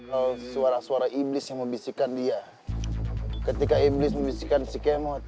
kau suara suara iblis yang membisikkan dia ketika iblis membisikkan si kemot